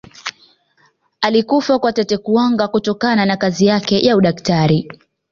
alikufa kwa tete kuwanga kutokana na kazi yake ya udaktari